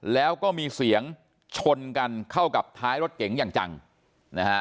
แล้วก็มีเสียงชนกันเข้ากับท้ายรถเก๋งอย่างจังนะฮะ